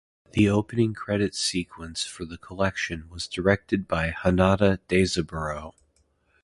The opening credits sequence for the collection was directed by Hanada Daizaburo.